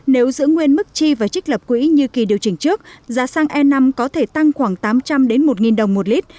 nếu giữ nguyên mức chi và trích lập quỹ như kỳ điều chỉnh trước giá xăng e năm có thể tăng khoảng tám trăm linh một đồng một lít